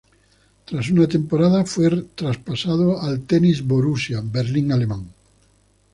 Tras una temporada fue traspasado al Tennis Borussia Berlin alemán.